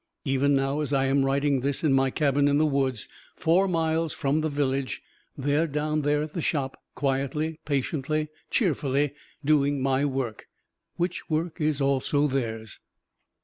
Even now as I am writing this in my cabin in the woods, four miles from the village, they are down there at the Shop, quietly, patiently, cheerfully doing my work which work is also theirs.